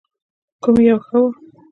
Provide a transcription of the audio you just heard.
کوم یو ښه و؟